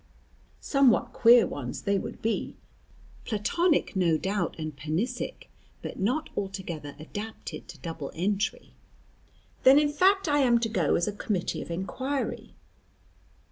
Somewhat queer ones they would be. Platonic no doubt, and panisic, but not altogether adapted to double entry." "Then in fact I am to go as a committee of inquiry."